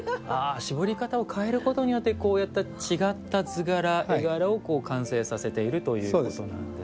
絞り方を変えることによってこうやった違った図柄絵柄を完成させているということなんですね。